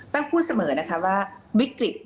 แป้งพูดเสมอว่าวิกฤต